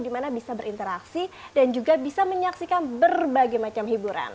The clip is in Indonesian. di mana bisa berinteraksi dan juga bisa menyaksikan berbagai macam hiburan